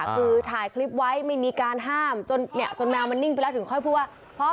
คือถ่ายคลิปไว้ไม่มีการห้ามจนเนี่ยจนแมวมันนิ่งไปแล้วถึงค่อยพูดว่า